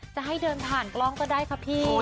จะให้เดินผ่านกล้องก็ได้ค่ะพี่